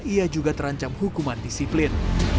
ia juga terancam hukuman disiplin